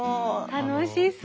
楽しそう！